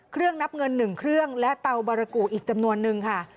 นับเงิน๑เครื่องและเตาบารกุอีกจำนวนนึงค่ะ